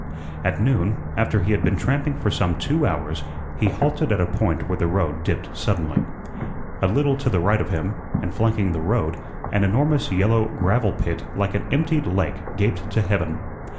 At noon, after he had been tramping for some two hours, he halted at a point where the road dipped suddenly. A little to the right of him, and flanking the road, an enormous yellow gravel pit like an emptied lake gaped to heaven.